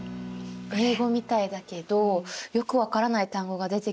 英語みたいだけどよく分からない単語が出てきますよね。